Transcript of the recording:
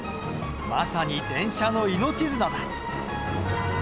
まさに電車の命綱だ。